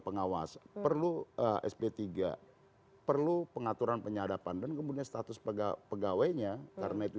pengawas perlu sp tiga perlu pengaturan penyadapan dan kemudian status pegawai pegawainya karena itu